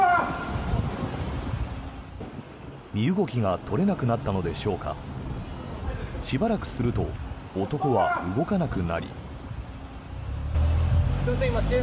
身動きが取れなくなったのでしょうかしばらくすると男は動かなくなり。